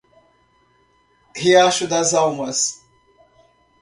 Riacho das Almas